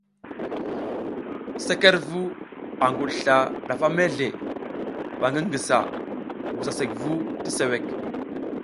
Sekerevu a ngudusla ndafa mezle, ɓa ngi ngisa wusa sekvu ti suwek.